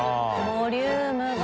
ボリュームが。